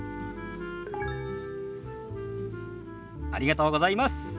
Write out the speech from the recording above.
ありがとうございます。